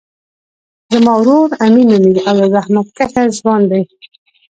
زما ورور امین نومیږی او یو زحمت کښه ځوان دی